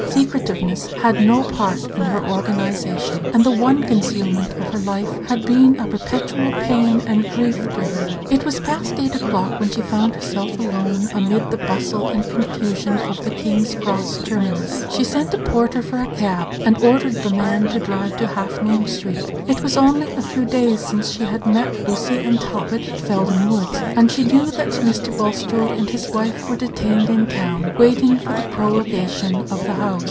Secretiveness had no part in her organization, and the one concealment of her life had been a perpetual pain and grief to her. It was past eight o'clock when she found herself alone amid the bustle and confusion of the King's Cross terminus. She sent a porter for a cab, and ordered the man to drive to Half Moon street. It was only a few days since she had met Lucy and Talbot at Felden Woods, and she knew that Mr. Bulstrode and his wife were detained in town, waiting for the prorogation of the House.